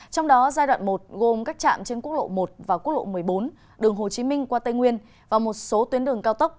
trong đó giai đoạn một gồm các trạm trên quốc lộ một và quốc lộ một mươi bốn đường hồ chí minh qua tây nguyên và một số tuyến đường cao tốc